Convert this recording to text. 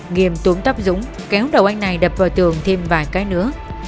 nghiêm túm tóc dũng kéo đầu anh này đập vào tường thêm vài cái nữa